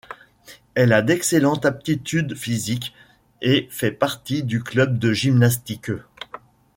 Elle a d'excellentes aptitudes physiques et fait partie du club de gymnastique.